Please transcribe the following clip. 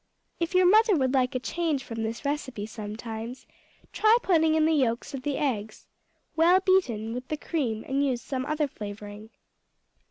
If your mother would like a change from this recipe sometimes, try putting in the yolks of the eggs, well beaten, with the cream, and use some other flavoring.